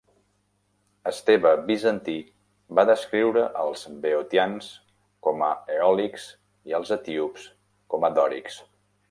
Esteve Bizantí va descriure els beotians com a eòlics i els etíops com a dòrics.